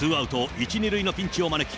１、２塁のピンチを招き、